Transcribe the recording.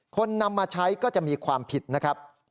คนนำมาใช้ก็จะมีความผิดนะครับ